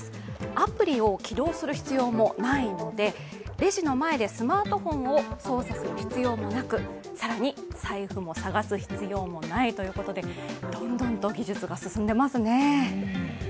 アプリを起動する必要もないのでレジの前でスマートフォンを捜査する必要もなく、更に財布も探す必要もないということでどんどんと技術が進んでますね。